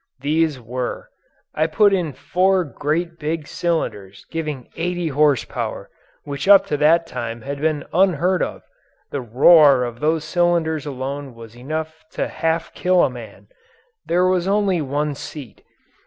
These were. I put in four great big cylinders giving 80 H.P. which up to that time had been unheard of. The roar of those cylinders alone was enough to half kill a man. There was only one seat.